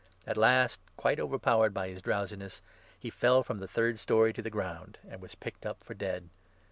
At last, quite overpowered by his drowsiness, he fell from the third storey to the ground, and was picked up for dead.